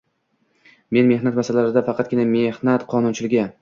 Men mehnat masalalarida faqatgina mehnat qonunchiligi